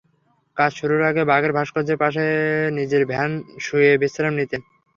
কাজ শুরুর আগে বাঘের ভাস্কর্যের পাশে নিজের ভ্যানে শুয়ে বিশ্রাম নিতেন।